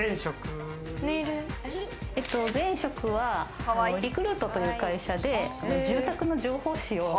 前職はリクルートという会社で住宅の情報誌を。